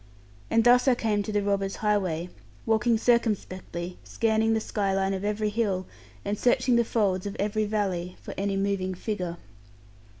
And thus I came to the robbers' highway, walking circumspectly, scanning the sky line of every hill, and searching the folds of every valley, for any moving figure.